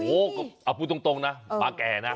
โอ้โหเอาพูดตรงนะปลาแก่นะ